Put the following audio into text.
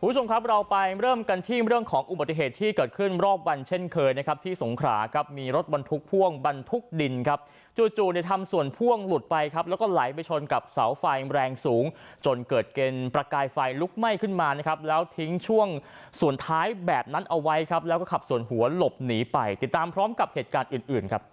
คุณผู้ชมครับเราไปเริ่มกันที่เรื่องของอุบัติเหตุที่เกิดขึ้นรอบวันเช่นเคยนะครับที่สงขราครับมีรถบรรทุกพ่วงบรรทุกดินครับจู่จู่เนี่ยทำส่วนพ่วงหลุดไปครับแล้วก็ไหลไปชนกับเสาไฟแรงสูงจนเกิดเกณฑ์ประกายไฟลุกไหม้ขึ้นมานะครับแล้วทิ้งช่วงส่วนท้ายแบบนั้นเอาไว้ครับแล้วก็ขับส่วนหัวหลบหนีไปติดตามพร้อมกับเหตุการณ์อื่นอื่นครับ